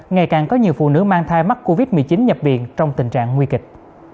ngày càng có nhiều phụ nữ mang thai mắc covid một mươi chín nhập viện trong tình trạng nguy kịch